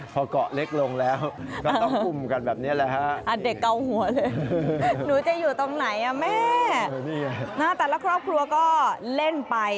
พอก่อเล็กลงแล้วก็ต้องกุมกันแบบนี้แหละ